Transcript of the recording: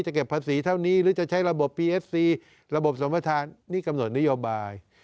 เก็บภาษีเท่านี้หรือจะใช้ระบบพีเอฟซีระบบสมทานนี่กำหนดนโยบาย